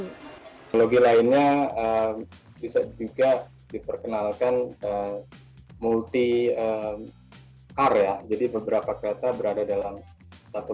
teknologi lainnya bisa juga diperkenalkan multi car ya jadi beberapa kereta berada dalam satu